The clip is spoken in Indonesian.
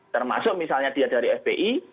termasuk misalnya dia dari fpi